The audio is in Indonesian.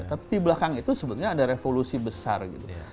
tapi di belakang itu sebetulnya ada revolusi besar gitu